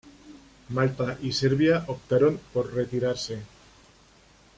Malta y Serbia optaron por retirarse.